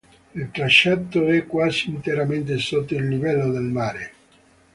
Il tracciato è quasi interamente sotto il livello del mare.